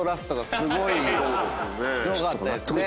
すごかったですね。